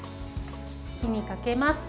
火にかけます。